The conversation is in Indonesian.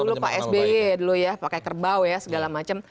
dulu pak sby dulu ya pakai kerbau ya segala macam